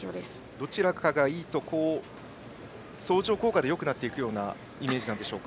どちらかがいいと相乗効果でよくなっていくようなイメージなんでしょうか？